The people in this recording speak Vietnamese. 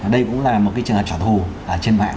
đây cũng là một cái trường hợp trả thù trên mạng